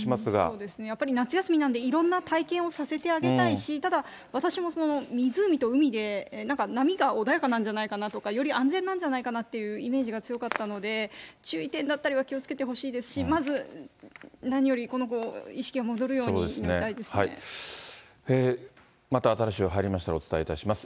そうですね、夏休みなんで、いろんな体験をさせてあげたいし、ただ、私も湖と海で、なんか波が穏やかなんじゃないかなとか、より安全なんじゃないかなというイメージが強かったので、注意点だったりは気を付けてほしいですし、まず、何よりこの子、また新しい情報が入りましたら、お伝えいたします。